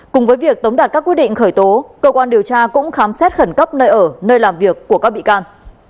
cùng với việc tống đạt các quyết định khởi tố cơ quan điều tra cũng khám xét khẩn cấp nơi ở nơi làm việc của các bị can